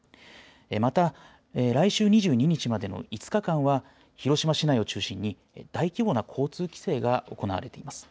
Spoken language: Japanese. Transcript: また、来週２２日までの５日間は、広島市内を中心に、大規模な交通規制が行われています。